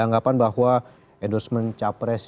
anggapan bahwa endorsement capres